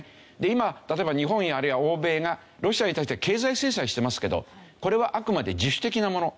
今例えば日本やあるいは欧米がロシアに対して経済制裁してますけどこれはあくまで自主的なもの。